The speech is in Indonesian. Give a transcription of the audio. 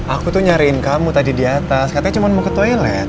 aku tuh nyariin kamu tadi di atas katanya cuma mau ke toilet